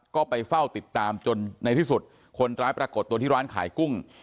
ก็ไปเฝ้าติดตามจนในที่สุดคนร้ายปรากฏตัวที่ร้านขายกุ้ง